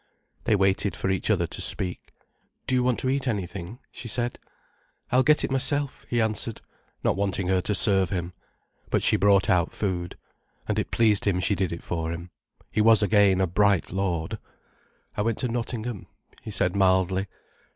They waited for each other to speak. "Do you want to eat anything?" she said. "I'll get it myself," he answered, not wanting her to serve him. But she brought out food. And it pleased him she did it for him. He was again a bright lord. "I went to Nottingham," he said mildly.